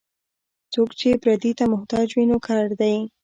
څوک چې پردي ته محتاج وي، نوکر دی.